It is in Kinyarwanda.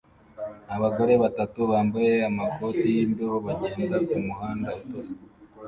Abagore batatu bambaye amakoti yimbeho bagenda kumuhanda utose